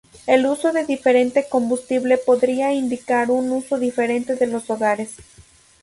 El uso de diferente combustible podría indicar un uso diferente de los hogares.